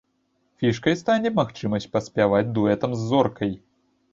Фішкай стане магчымасць паспяваць дуэтам з зоркай.